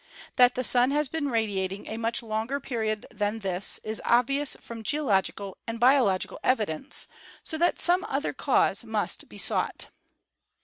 That the Sun has been radiating a much longer period than this is obvious from geological and biological evidence, so that some other cause must be sought.